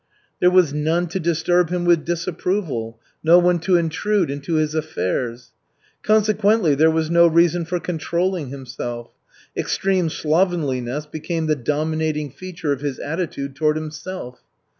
There was none to disturb him with disapproval, no one to intrude into his affairs. Consequently there was no reason for controlling himself. Extreme slovenliness became the dominating feature of his attitude toward himself.